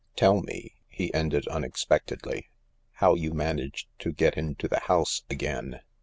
"... Tell me," he ended unexpectedly, "how you managed to get into the house again